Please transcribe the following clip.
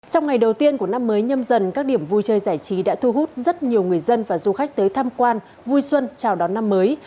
trong ngày đầu tiên của năm mới nhâm dần các điểm vui chơi giải trí đã thu hút rất nhiều người dân và du khách tới tham quan vui xuân chào đón năm mới